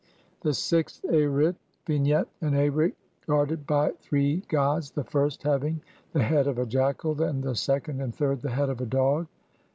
The Sixth Arit. Vignette : An Arit guarded by three gods, the first having the head of a jackal, and the second and third the head of a dog.